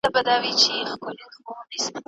د علم او پوهي لاره هیڅکله مه پرېږدئ.